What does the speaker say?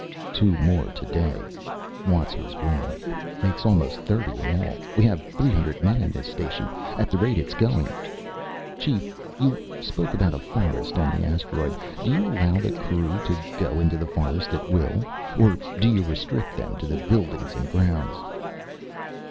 "Two more today," Watts was grim. "Makes almost thirty, in all. We have three hundred men in this station. At the rate it's going " "Chief, you spoke about a forest on the asteroid. Do you allow the crew to go into the forest at will? Or do you restrict them to the buildings and grounds?"